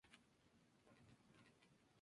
Su líder es Mohammed Latif.